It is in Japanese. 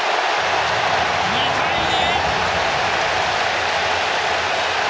２対２！